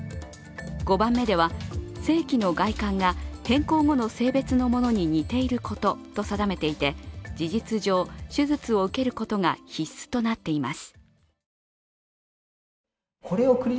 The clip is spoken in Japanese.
５番目では、性器の外観が変更後の性別のものに似ていることと定めていて事実上、手術を受けることが必須となっています。